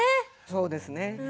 そうですね。